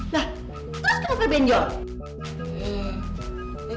lah terus kenapa benjol